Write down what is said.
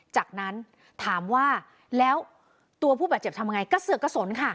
จากนั้นถามว่าแล้วตัวผู้บาดเจ็บทำยังไงกระเสือกกระสนค่ะ